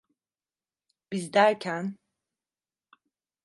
Biz derken?